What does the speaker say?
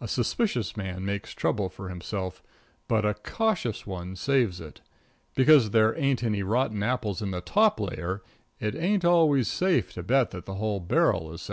A suspicious man makes trouble for himself, but a cautious one saves it. Because there ain't any rotten apples in the top layer, it ain't always safe to bet that the whole barrel is sound.